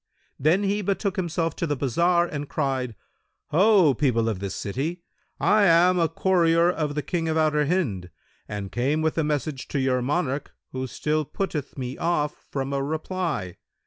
Then he betook himself to the bazar and cried, "Ho, people of this city, I am a courier of the King of Outer Hind and came with a message to your monarch who still putteth me off from a reply.